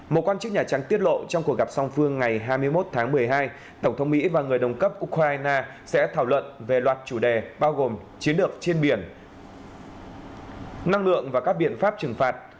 một quan chức nhà trắng tiết lộ trong cuộc gặp song phương ngày hai mươi một tháng một mươi hai tổng thống mỹ và người đồng cấp ukraine sẽ thảo luận về loạt chủ đề bao gồm chiến lược trên biển năng lượng và các biện pháp trừng phạt